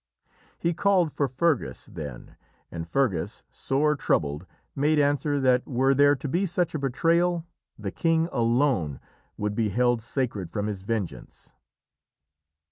He called for Fergus then, and Fergus, sore troubled, made answer that were there to be such a betrayal, the king alone would be held sacred from his vengeance.